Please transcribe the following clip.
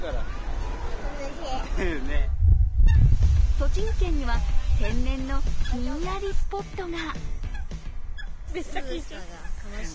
栃木県には天然のひんやりスポットが。